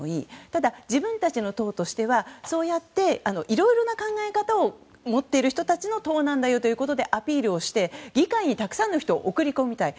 ただ、自分たちの党としてはそうやっていろいろな考え方を持っている人たちの党なんだということでアピールして、議会にたくさんの人を送り込みたい。